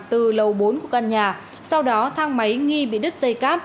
từ lầu bốn của căn nhà sau đó thang máy nghi bị đứt dây cáp